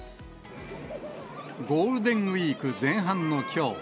ゴールデンウィーク前半のきょう。